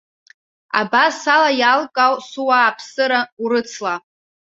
Абас ала иалкаау суааԥсыра урыцла.